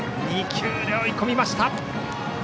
２球で追い込みました。